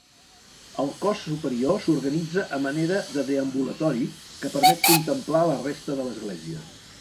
El cos superior s'organitza a manera de deambulatori que permet contemplar la resta de l'església.